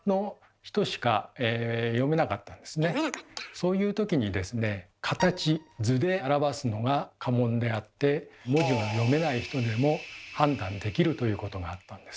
そういう時にですね形・図で表すのが家紋であって文字が読めない人でも判断できるということがあったんです。